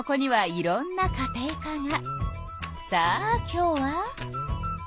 さあ今日は。